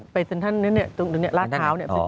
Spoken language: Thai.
ไปเซ็นทันตรงนี้ลาดเท้า